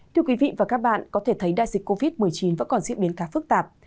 thưa quý vị và các bạn có thể thấy đại dịch covid một mươi chín vẫn còn diễn biến khá phức tạp